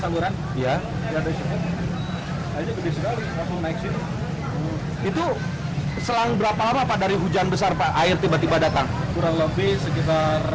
kurang lebih sekitar sepuluh menit lima belas menit